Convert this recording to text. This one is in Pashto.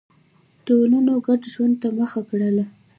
ټولنو ګډ ژوند ته مخه کړه.